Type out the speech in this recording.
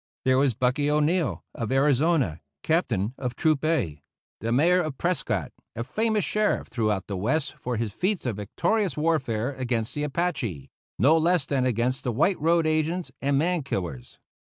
There was Bucky O'Neill, of Arizona, Captain of Troop A, the Mayor of Prescott, a famous sheriff throughout the West for his feats of victorious warfare against the Apache, no less than against the white road agents and man killers.